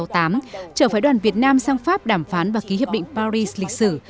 trở phái đoàn việt nam sang pháp đàm phán và ký hiệp định paris lịch sử